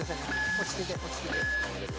落ち着いて落ち着いて。